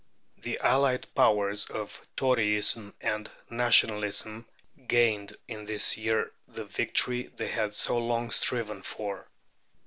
The allied powers of Toryism and Nationalism gained in this year the victory they had so long striven for.